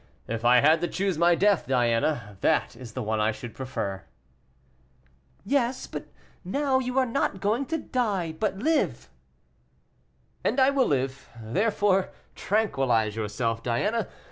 If I had to choose my death, Diana, that is the one I should prefer." "Yes; but now you are not to die, but live." "And I will live; therefore tranquilize yourself, Diana.